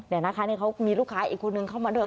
เดี๋ยวนะคะนี่เขามีลูกค้าอีกคนนึงเข้ามาด้วย